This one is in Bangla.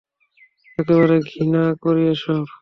একবারে ঘৃণা করি এসব।